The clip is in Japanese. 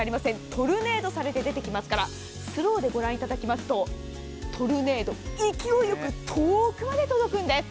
トルネードされて出てきますから、スローで御覧いただきますとトルネード、勢いよく遠くまで届くんです。